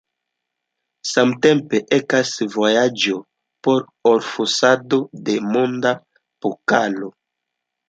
Samtempe ekas vojaĝo por orfosado de Monda Pokalo.